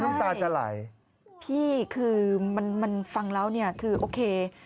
น้ำตาจะไหลพี่คือมันมันฟังแล้วเนี่ยคือโอเค